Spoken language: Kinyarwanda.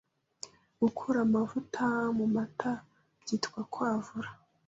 Gukura amavuta mu mata byitwa Kwavura